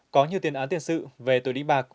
có nhiều tiền án tiền sự về tội đánh bạc